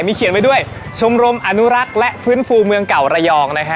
เขียนไว้ด้วยชมรมอนุรักษ์และฟื้นฟูเมืองเก่าระยองนะฮะ